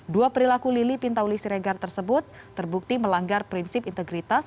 dua perilaku lili pintauli siregar tersebut terbukti melanggar prinsip integritas